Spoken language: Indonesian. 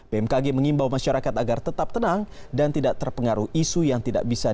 bmkg mengimbau masyarakat agar tetap tenang dan tidak terpengaruh isu yang tidak bisa